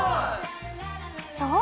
そう！